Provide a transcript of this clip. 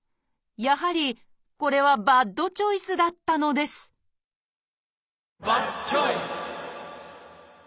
やはりこれはバッドチョイスだったのですバッドチョイス！